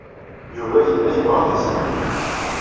Yuba yella yebɣa ad iẓer.